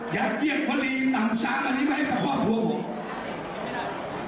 อยากเกียกวัลีต่ำชาวมันนี่ไหมกับครอบครัวผม